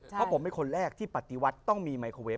เพราะผมเป็นคนแรกที่ปฏิวัติต้องมีไมโครเวฟ